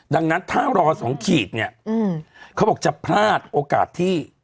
ดังนั้นถ้ารอ๒ขีดเนี่ยเขาบอกจะพลาดโอกาสที่